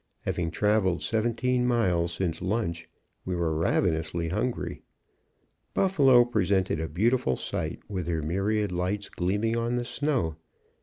Having traveled seventeen miles since lunch, we were ravenously hungry. Buffalo presented a beautiful sight, with her myriad lights gleaming on the snow.